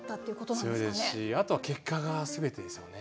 強いですしあとは結果が全てですよね。